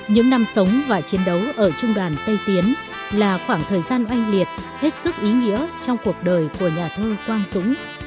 những năm sống và chiến đấu ở trung đoàn tây tiến là khoảng thời gian oanh liệt hết sức ý nghĩa trong cuộc đời của nhà thơ quang dũng